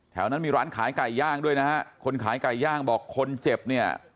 แถวนั้นมีร้านขายไก่ย่างด้วยนะฮะคนขายไก่ย่างบอกคนเจ็บเนี่ย